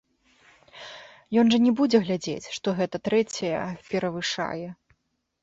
Ён жа не будзе глядзець, што гэта трэцяя перавышае.